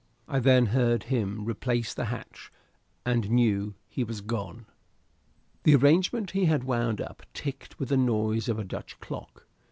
I then heard him replace the hatch, and knew he was gone. The arrangement he had wound up ticked with the noise of a Dutch clock.